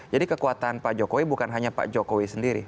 jadi kekuatan pak jokowi bukan hanya pak jokowi sendiri